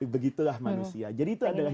begitulah manusia jadi itu adalah